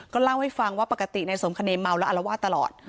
ก็เล่าให้ฟังว่าปกติในสมคเนคาเมาและอรวาตตลอด